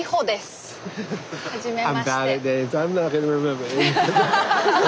はじめまして。